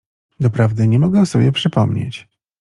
Doprawdy nie mogę sobie przypomnieć…